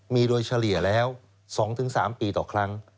มีโดยเฉลี่ยแล้ว๒๓ปีต่อครั้ง